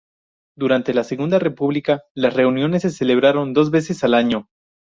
Durante la Segunda República las reuniones se celebraron dos veces al año.